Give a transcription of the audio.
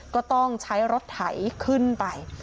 ก็ต้องใช้รถไถขึ้นไป